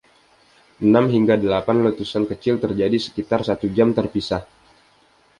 Enam hingga delapan letusan kecil terjadi sekitar satu jam terpisah.